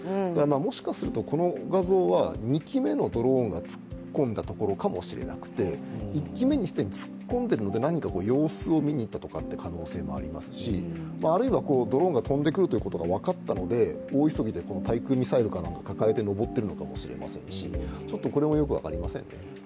もしかするとこの画像は２機目のドローンが突っ込んだところかもしれなくて１機目が既に突っ込んでいるので様子を見に行った可能性もありますしあるいは、ドローンが飛んでくるということが分かったので、大急ぎで対空ミサイルなんかを抱えて登っているのかもしれないのでちょっとこれも、よく分かりません。